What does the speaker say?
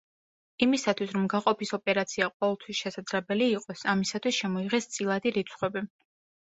იმისათვის რომ გაყოფის ოპერაცია ყოველთვის შესაძლებელი იყოს, ამისათვის შემოიღეს წილადი რიცხვები.